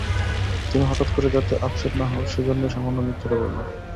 তুমি হঠাৎ করে যাতে আপসেট না-হও সে-জন্যেই সামান্য মিথ্যাটা বললাম।